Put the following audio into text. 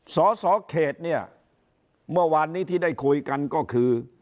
สสเขตเนี่ยเมื่อวานนี้ที่ได้คุยกันก็คือ